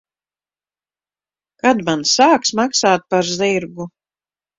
Kad man sāks maksāt par zirgu?